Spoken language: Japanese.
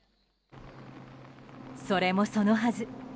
それもそのはず